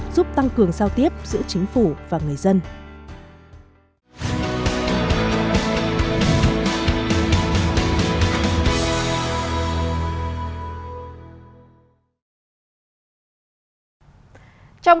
giúp tăng cường giao tiếp giữa chính phủ và người dân